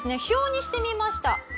表にしてみました。